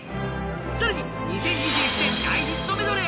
更に２０２１年大ヒットメドレー！